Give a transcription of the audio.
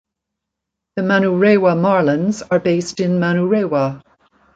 The Manurewa Marlins are based in Manurewa.